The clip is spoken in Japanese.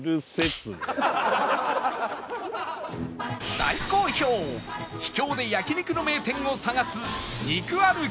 大好評秘境で焼肉の名店を探す肉歩きは